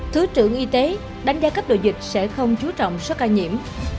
thứ trưởng y tế đánh giá cấp độ dịch sẽ không chú trọng số ca nhiễm